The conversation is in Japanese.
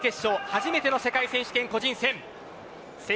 初めての世界選手権個人戦です。